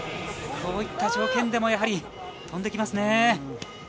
こういった条件でもやはり飛んできますね。